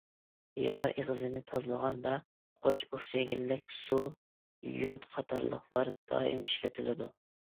يارا ئېغىزىنى تازىلىغاندا، قوش ئوكسىگېنلىق سۇ، يود قاتارلىقلار دائىم ئىشلىتىلىدۇ.